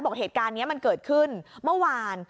บอกเหตุการณ์นี้มันเกิดขึ้นเมื่อวาน